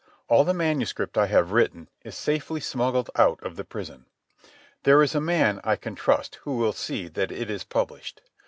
All the manuscript I have written is safely smuggled out of the prison. There is a man I can trust who will see that it is published.